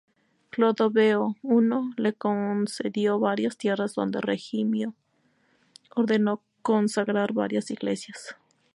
Clodoveo I le concedió varias tierras donde Remigio ordenó consagrar varias iglesias.